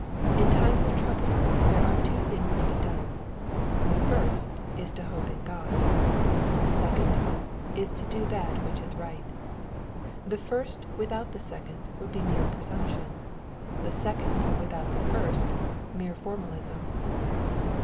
In times of trouble there are two things to be done, the first is to hope in God, and the second is to do that which is right. The first without the second would be mere presumption : the second without the first mere formalism.